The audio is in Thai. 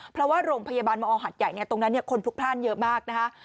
เพราะว่าโรงพยาบาลมอหัดใหญ่ตรงนั้นคนพลุกพลาดเยอะมากนะคะ